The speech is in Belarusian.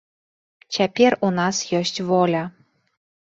Цяпер у нас ёсць воля.